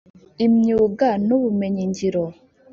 imyuga n ubumenyingiro